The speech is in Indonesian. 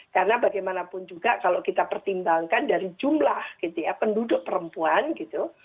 karena bagaimanapun juga kalau kita pertimbangkan dari jumlah penduduk perempuan gitu